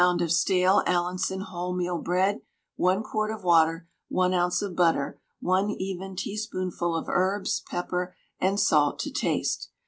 of stale Allinson wholemeal bread, 1 quart of water, 1 oz. of butter, 1 even teaspoonful of herbs, pepper and salt to taste.